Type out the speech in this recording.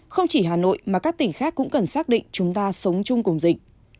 không chỉ hà nội mà các tỉnh khác cũng cần xác định chúng ta sống chung cùng dịch